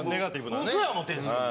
僕ウソや思ってるんですよ。